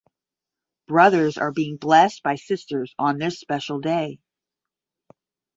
Brothers are being blessed by sisters on this special day.